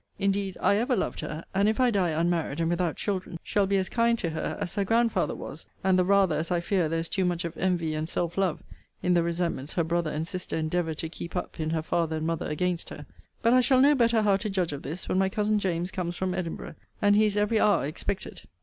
Indeed I ever loved her: and if I die unmarried, and without children, shall be as kind to her as her grandfather was: and the rather, as I fear there is too much of envy and self love in the resentments her brother and sister endeavour to keep up in her father and mother against her. But I shall know better how to judge of this, when my cousin James comes from Edinburgh; and he is every hour expected.